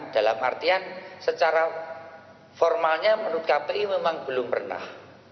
dalam artian secara formalnya menurut kpi memang belum pernah